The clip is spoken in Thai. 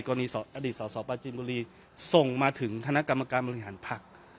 กรณีสอดอดีตสอดสอบประจินบุรีส่งมาถึงคณะกรรมการบริหารพรรค